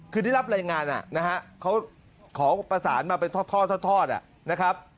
คือที่รับรายงานขอประสานมาเป็นทอดนะครับ